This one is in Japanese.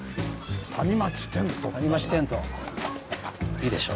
いいでしょ？